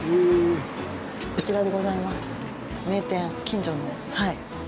こちらでございます。